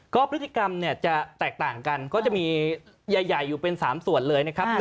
ก็พฤติกรรมเนี่ยจะแตกต่างกันก็จะมีใหญ่อยู่เป็น๓ส่วนเลยนะครับ